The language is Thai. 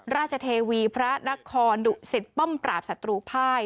ราชเทวีพระนักคอร์ดุสิทธิ์ป้อมปราบสัตวุภาย